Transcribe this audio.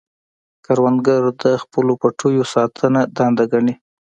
کروندګر د خپلو پټیو ساتنه دنده ګڼي